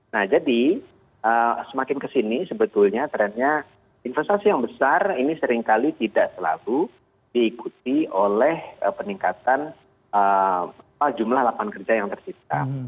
nah jadi semakin kesini sebetulnya trennya investasi yang besar ini seringkali tidak selalu diikuti oleh peningkatan jumlah lapangan kerja yang tersisa